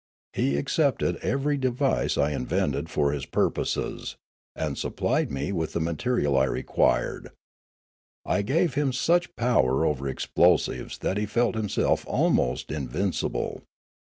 He ac cepted ever}^ device I invented for his purposes, and supplied me with the material I required. I gave him such power over explosives that he felt himself almost invincible.